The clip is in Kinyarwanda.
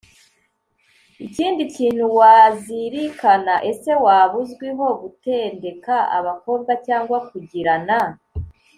ikindi kintu wazirikana ese waba uzwiho gutendeka abakobwa cyangwa kugirana